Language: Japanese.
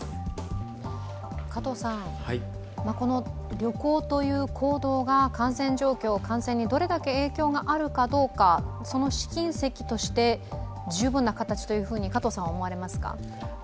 旅行という行動が感染状況、感染にどれだけ影響があるかどうかその試金石として十分な形と思われますか？